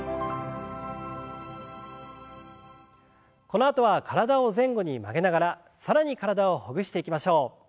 このあとは体を前後に曲げながら更に体をほぐしていきましょう。